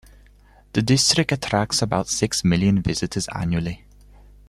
The district attracts about six million visitors annually.